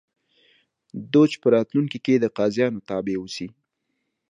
دوج په راتلونکي کې د قاضیانو تابع اوسي.